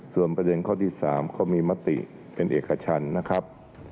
ส่วนประเด็นข้อที่๓ก็มีมติเป็นเอกชันนะครับ